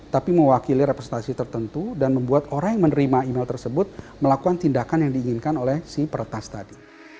tapi mewakili representasi tertentu dan membuat orang yang menerima email tersebut melakukan tindakan yang diinginkan oleh si peretas tadi